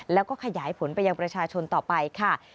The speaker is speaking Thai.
แล้วก็ขยายผลไปยังประชาชนต่อไปค่ะ